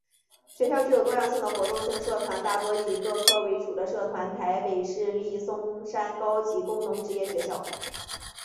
学校具有多样性的活动性社团大多以各科为主的社团台北市立松山高级工农职业学校